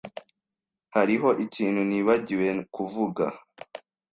Hariho ikintu nibagiwe kuvuga.